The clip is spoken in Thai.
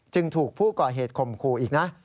จึงถูกผู้ก่อเหตุข่มครูอีกนะ